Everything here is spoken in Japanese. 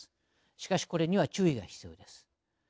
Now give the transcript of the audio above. しかしこれには注意が必要です。